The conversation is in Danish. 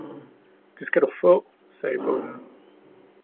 "Det skal du få," sagde bonden.